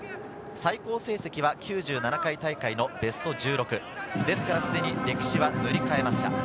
最高成績は９７回大会のベスト１６、すでに歴史は塗り替えました。